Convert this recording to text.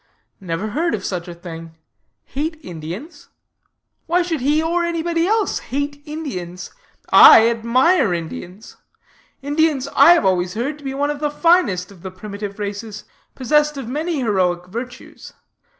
"Never heard of such a thing. Hate Indians? Why should he or anybody else hate Indians? I admire Indians. Indians I have always heard to be one of the finest of the primitive races, possessed of many heroic virtues.